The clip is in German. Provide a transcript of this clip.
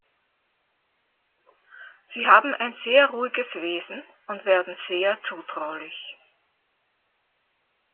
Sie haben ein sehr ruhiges Wesen und werden sehr zutraulich.